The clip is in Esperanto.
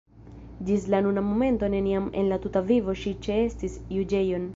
Ĝis la nuna momento neniam en la tuta vivo ŝi ĉeestis juĝejon.